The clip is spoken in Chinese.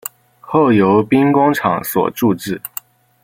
后由兵工厂所铸制。